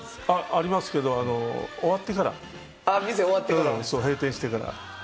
ありますけれども、終わってから、閉店してから。